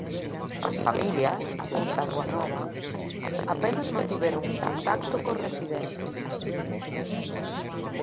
As familias, apunta Ruanova, apenas mantiveron o contacto cos residentes.